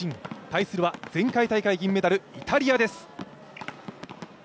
対するは前回大会銀メダル・イタリアです。